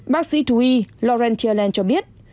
bác sĩ thùy laurentia land cho biết